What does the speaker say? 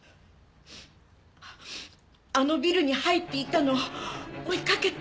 あのビルに入っていったのを追いかけて。